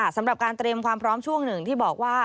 สำหรับการเตรียมความพร้อมช่วงหนึ่งที่บอกว่า